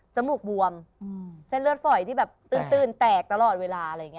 มูกบวมเส้นเลือดฝอยที่แบบตื้นแตกตลอดเวลาอะไรอย่างนี้